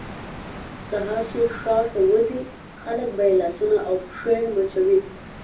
سهار چې ښار ته وځي خلک به یې لاسونه او پښې مچوي.